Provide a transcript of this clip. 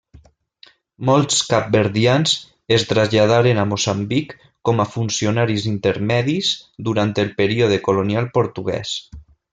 Molts capverdians es traslladaren a Moçambic com a funcionaris intermedis durant el període colonial portuguès.